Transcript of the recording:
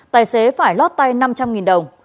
tài xế phải lót tay năm trăm linh đồng